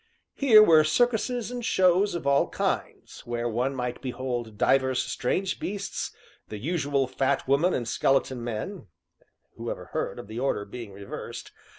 Here were circuses and shows of all kinds, where one might behold divers strange beasts, the usual Fat Women and Skeleton Men (who ever heard of the order being reversed?)